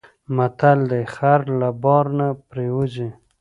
متل دی: خر له بار نه پرېوځي.